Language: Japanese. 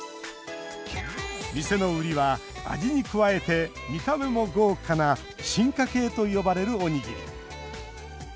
店の売りは味に加えて見た目も豪華な進化系と呼ばれる、おにぎり。